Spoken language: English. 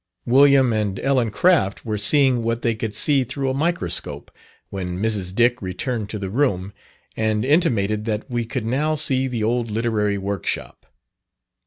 Wm. and Ellen Craft were seeing what they could see through a microscope, when Mrs. Dick returned to the room, and intimated that we could now see the old literary workshop.